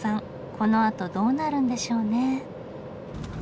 このあとどうなるんでしょうね。